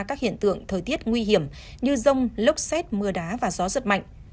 các hiện tượng thời tiết nguy hiểm như rông lốc xét mưa đá và gió giật mạnh